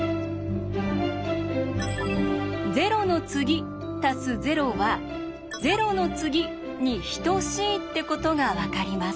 「０の次＋０」は「０の次」に等しいってことが分かります。